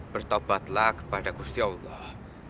kepada bursi allah